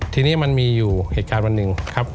ทีนี้มันมีอยู่เหตุการณ์วันหนึ่งครับ